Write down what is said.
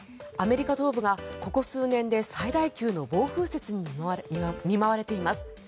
アメリカ東部がここ数年で最大級の暴風雪に見舞われています。